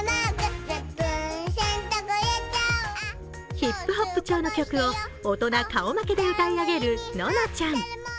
ヒップホップ調の曲を大人顔負けで歌い上げる、ののちゃん。